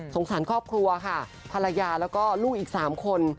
สารครอบครัวค่ะภรรยาแล้วก็ลูกอีก๓คน